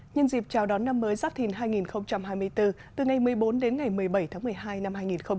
nhân dịp chào đón năm mới giáp thìn hai nghìn hai mươi bốn từ ngày một mươi bốn đến ngày một mươi bảy tháng một mươi hai năm hai nghìn hai mươi bốn